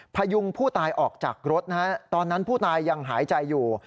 พยุงผู้ตายออกจากรถนะฮะตอนนั้นผู้ตายยังหายใจอยู่